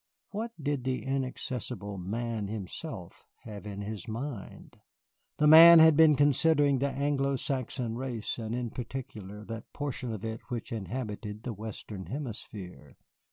What did the inaccessible Man himself have in his mind? The Man had been considering the Anglo Saxon race, and in particular that portion of it which inhabited the Western Hemisphere.